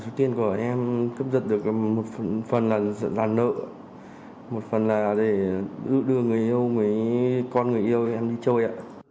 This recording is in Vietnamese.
số tiền của em cướp giật được một phần là nợ một phần là để đưa người yêu với con người yêu em đi chơi ạ